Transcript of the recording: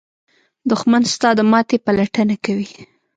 دښمن ستا د ماتې پلټنه کوي